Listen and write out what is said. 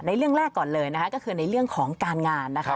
ในเรื่องแรกก่อนเลยก็คือในเรื่องของการงาน